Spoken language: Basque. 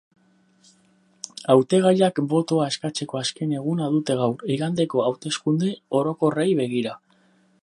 Hautagaiak botoa eskatzeko azken eguna dute gaur, igandeko hauteskunde orokorrei begira.